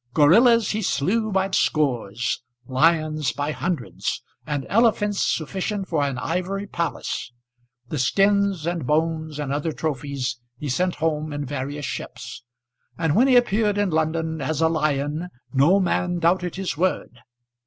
Gorillas he slew by scores, lions by hundreds, and elephants sufficient for an ivory palace. The skins, and bones, and other trophies, he sent home in various ships; and when he appeared in London as a lion, no man doubted his word.